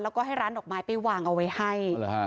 แล้วก็ให้ร้านดอกไม้ไปวางเอาไว้ให้